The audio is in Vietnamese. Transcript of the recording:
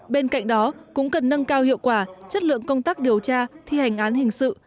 bên cạnh đó cũng cần nâng cao hiệu quả chất lượng công tác điều tra thi hành án hình sự